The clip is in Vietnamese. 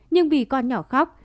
nhưng vì con nhỏ khóc